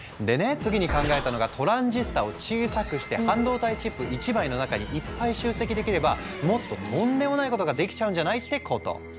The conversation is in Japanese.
次に考えたのがトランジスタを小さくして半導体チップ１枚の中にいっぱい集積できればもっととんでもないことができちゃうんじゃない⁉ってこと。